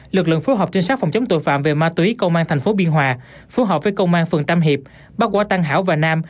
lực lượng phối hợp trinh sát phòng chống tội phạm về ma túy công an tp biên hòa phù hợp với công an phường tam hiệp bắt quả tăng hảo và nam